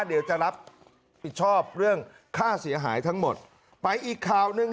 เดี๋ยวจะรับผิดชอบเรื่องค่าเสียหายทั้งหมดไปอีกข่าวหนึ่ง